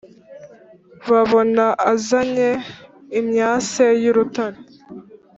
babona azanye imyase y' urutare.